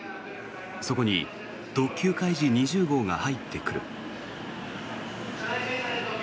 そこに特急かいじ２０号が入ってくる。